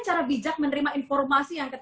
cara bijak menerima informasi yang